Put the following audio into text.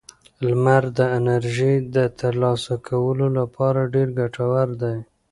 لمر د انرژۍ د ترلاسه کولو لپاره ډېر ګټور دی.